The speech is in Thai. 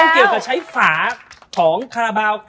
เกี่ยวกับฝากของคาราบาว